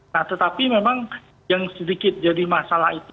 nah tetapi memang yang sedikit jadi masalah itu